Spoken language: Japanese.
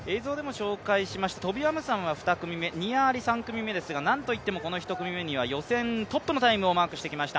トビ・アムサンは２組目、ニア・アリ３組目ですが、なんといっても１組目には予選トップのタイムをマークしてきました